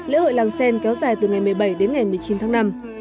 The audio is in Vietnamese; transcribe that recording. lễ hội làng sen kéo dài từ ngày một mươi bảy đến ngày một mươi chín tháng năm